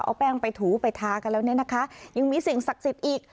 เอาแป้งไปถูไปทากันแล้วเนี่ยนะคะยังมีสิ่งศักดิ์สิทธิ์อีก